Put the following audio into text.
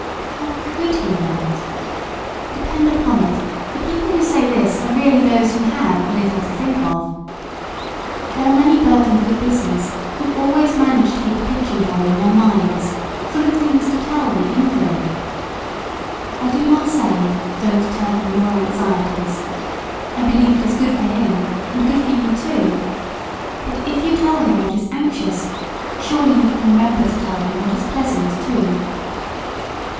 How could "he know it?" Depend upon it, the people who say this are really those who have little "to think of." There are many burthened with business who always manage to keep a pigeon hole in their minds, full of things to tell the "invalid." I do not say, don't tell him your anxieties I believe it is good for him and good for you too; but if you tell him what is anxious, surely you can remember to tell him what is pleasant too.